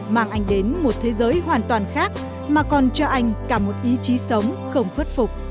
mang anh đến một thế giới hoàn toàn khác mà còn cho anh cả một ý chí sống không khuất phục